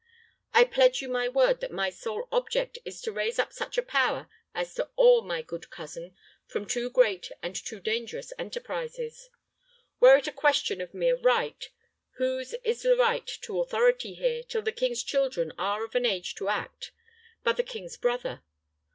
I pledge you my word that my sole object is to raise up such a power as to awe my good cousin from too great and too dangerous enterprises. Were it a question of mere right whose is the right to authority here, till the king's children are of an age to act, but the king's brother?